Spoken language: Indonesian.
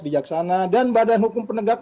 bijaksana dan badan hukum penegak